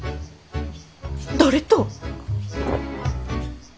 誰と？